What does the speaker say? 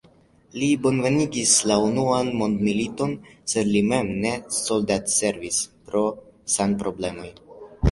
Li bonvenigis la unuan mondmiliton, sed li mem ne soldatservis pro sanproblemoj.